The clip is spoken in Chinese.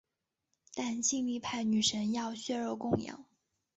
但性力派女神要血肉供养。